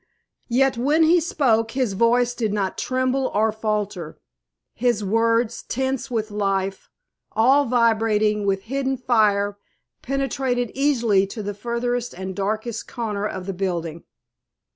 Yet when he spoke his voice did not tremble or falter. His words, tense with life, all vibrating with hidden fire, penetrated easily to the furthest and darkest corner of the building.